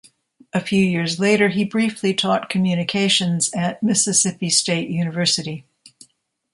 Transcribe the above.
A few years later, he briefly taught communications at Mississippi State University.